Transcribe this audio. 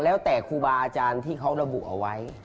แล้วแต่ครูบาอาจารย์ที่เขาระบุเอาไว้